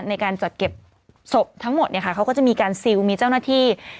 ในการจัดเก็บศพทั้งหมดเนี่ยค่ะเขาก็จะมีการซิลมีเจ้าหน้าที่